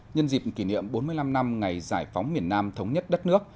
nhân dịp kỷ niệm bốn mươi năm năm ngày giải phóng miền nam thống nhất đất nước